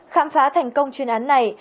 khám phá thành công chuyên án này